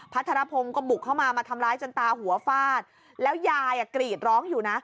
ธรพงศ์ก็บุกเข้ามามาทำร้ายจนตาหัวฟาดแล้วยายกรีดร้องอยู่นะ